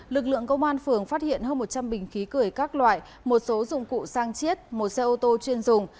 lực lượng công an phường phát hiện hơn một trăm linh bình khí cười các loại một số dụng cụ sang chiết một xe ô tô chuyên dùng